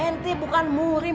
nt bukan murim